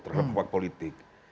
terhadap hak politik